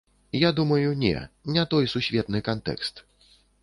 Я думаю, не, не той сусветны кантэкст.